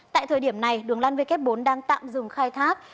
tại thời điểm này đường lăn vk bốn đang tạm dừng khai thác